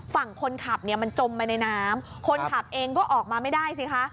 ฝั่งคนขับเนี่ยมันจมไปในน้ำคนขับเองก็ออกมาไม่ได้สิคะ